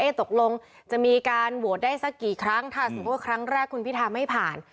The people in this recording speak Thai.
ตกลงจะมีการโหวตได้สักกี่ครั้งถ้าสมมุติว่าครั้งแรกคุณพิธาไม่ผ่าน